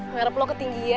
merup lo ketinggian